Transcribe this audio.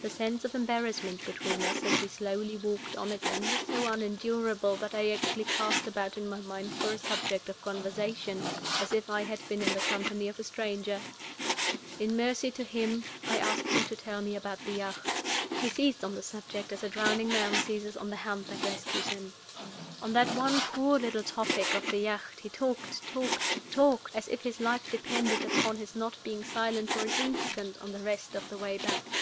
The sense of embarrassment between us as we slowly walked on again was so unendurable that I actually cast about in my mind for a subject of conversation, as if I had been in the company of a stranger! In mercy to him, I asked him to tell me about the yacht. He seized on the subject as a drowning man seizes on the hand that rescues him. On that one poor little topic of the yacht he talked, talked, talked, as if his life depended upon his not being silent for an instant on the rest of the way back.